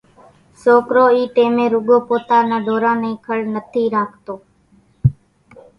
سوڪرو اِي ٽيمين روڳو پوتا نان ڍوران نين کڙ نٿي راکتو۔